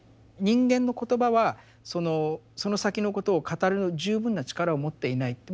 人間の言葉はその先のことを語る十分な力を持っていない。